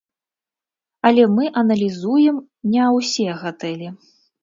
Але мы аналізуем не ўсе гатэлі.